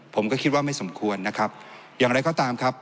ผมก็คิดว่าไม่สมควรนะครับอย่างไรก็ตามครับ